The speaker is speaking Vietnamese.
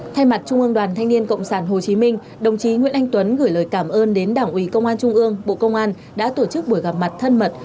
thay mặt trung ương đoàn thanh niên cộng sản hồ chí minh đồng chí nguyễn anh tuấn gửi lời cảm ơn đến đảng ủy công an trung ương bộ công an đã tổ chức buổi gặp mặt thân mật